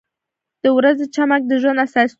• د ورځې چمک د ژوند استازیتوب کوي.